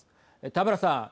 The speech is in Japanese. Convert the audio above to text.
田村さん。